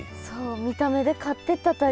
そう見た目で買ってた